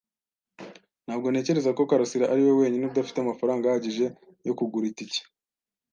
Ntabwo ntekereza ko karasira ariwe wenyine udafite amafaranga ahagije yo kugura itike.